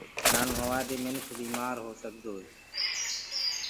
نآ نهووآدي مِنک بيٚمآر بيٚ هو سگدوئي